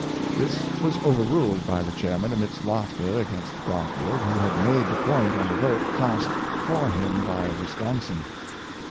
This was overruled by the Chairman amidst laughter against Garfield, who had made the point on the vote cast for him by Wisconsin.